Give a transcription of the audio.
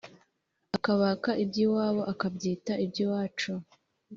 Akabaka iby’iwabo Akabyita iby’iwacu.